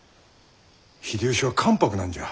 秀吉は関白なんじゃ。